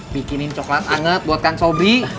bikinin coklat anget buatkan sobri